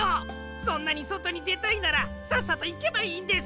そんなにそとにでたいならさっさといけばいいんです。